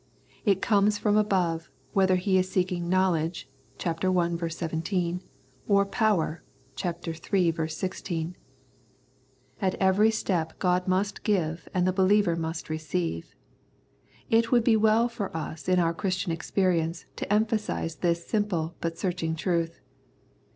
It comes from above, whether he is seeking knowledge (ch. i. 17) or power (ch. iii. 16). At every step God must give and the believer must receive. It would be well for us in our Christian experience to emphasise this simple but searching truth.